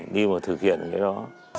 đi mà thực hiện cái đó